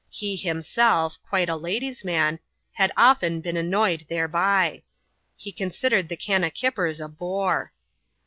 He himself — quite a ladies* man — had often been annoyed thereby. He considered the kannakippers a bore.